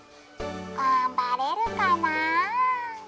がんばれるかな。